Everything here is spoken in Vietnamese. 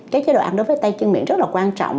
cái chế độ ăn đối với tay chân miệng rất là quan trọng